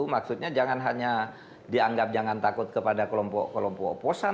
maksudnya jangan hanya dianggap jangan takut kepada kelompok kelompok oposan